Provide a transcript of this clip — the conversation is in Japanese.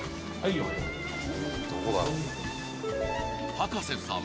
［葉加瀬さん